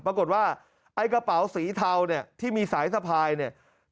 ปรากฏว่าไอ้กระเป๋าสีเทาเนี่ยที่มีสายสะพายเนี่ย